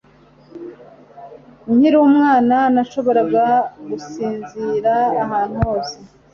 Nkiri umwana, nashoboraga gusinzira ahantu hose.